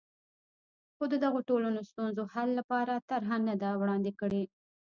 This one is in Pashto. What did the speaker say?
خو د دغو ټولنو ستونزو حل لپاره طرحه نه ده وړاندې کړې.